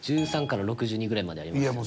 １３から６２ぐらいまでありますよね。